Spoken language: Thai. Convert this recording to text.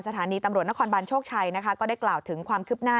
สถานีตำรวจนครบานโชคชัยนะคะก็ได้กล่าวถึงความคืบหน้า